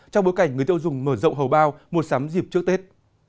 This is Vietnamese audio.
trong bối cảnh người tiêu dùng mở rộng hầu bao mua sắm dịp trước tết